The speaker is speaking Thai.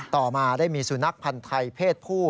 ต่อมาได้มีสุนัขพันธ์ไทยเพศผู้